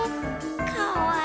かわいい。